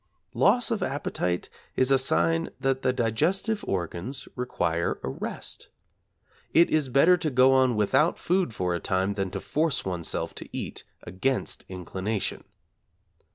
Loss of appetite is a sign that the digestive organs require a rest. It is better to go without food for a time than to force oneself to eat against inclination.